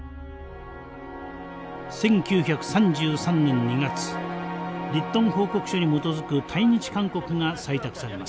１９３３年２月リットン報告書に基づく対日勧告が採択されます。